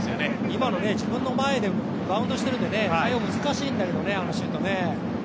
今の、自分の前でバウンドしてるんで対応難しいんだけどね、あのシュートね。